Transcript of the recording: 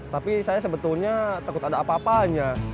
tapi saya sebetulnya takut ada apa apanya